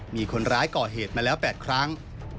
มีคนร้ายก่อเหตุมาแล้ว๘ครั้ง